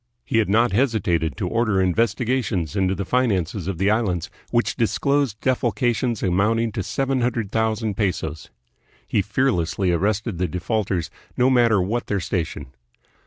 He had not hesitated to order investigations into the finances of the Islands, which disclosed defalcations amounting to seven hundred thousand pesos. He fear lessly arrested the defaulters, no matter what their station.